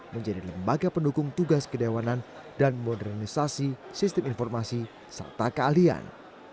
menjadi lembaga pendukung tugas kedewanan dan modernisasi sistem informasi serta keahlian